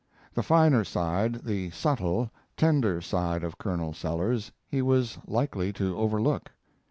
The finer side, the subtle, tender side of Colonel Sellers, he was likely to overlook.